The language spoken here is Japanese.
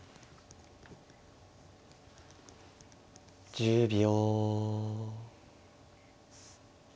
１０秒。